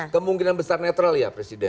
kemungkinan besar netral ya presiden